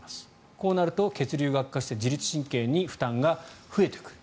こうなると血流が悪化して自律神経に負担が増えてくる。